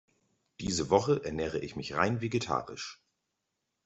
Diese Woche ernähre ich mich rein vegetarisch.